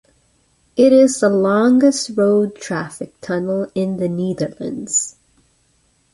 It is the longest road traffic tunnel in the Netherlands.